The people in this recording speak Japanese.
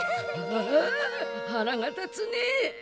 ああ腹が立つねえ。